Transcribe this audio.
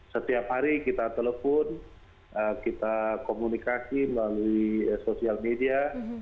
setiap hari kita telepon kita komunikasi melalui sosial media